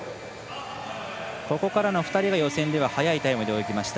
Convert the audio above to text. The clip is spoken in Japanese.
ここからの２人が予選では早いタイムで泳ぎました。